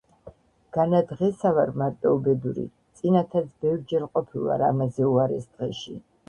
განა დღესა ვარ მარტო უბედური? წინათაც ბევრჯერ ვყოფილვარ ამაზე უარეს დღეში.